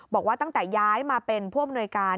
บอกว่าตั้งแต่ย้ายมาเป็นผู้อำนวยการ